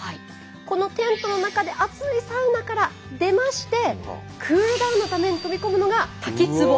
このテントの中で熱いサウナから出ましてクールダウンのために飛び込むのが滝つぼ。